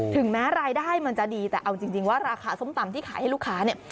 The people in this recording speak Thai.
ถึงแม้รายได้มันจะดีแต่เอาจริงว่าราคาส้มตำที่ขายให้ลูกค้าเนี่ย